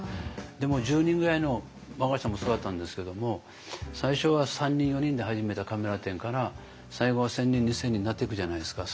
でも１０人ぐらいの我が社もそうだったんですけども最初は３人４人で始めたカメラ店から最後は１，０００人２，０００人になっていくじゃないですか。